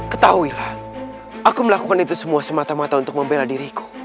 ketahuilah aku melakukan itu semua semata mata untuk membela diriku